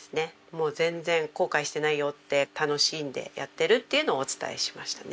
もう全然後悔してないよって楽しんでやってるっていうのをお伝えしましたね。